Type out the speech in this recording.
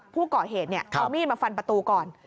ผู้ก่อเหตุเอามีดมาฟันประตูก่อน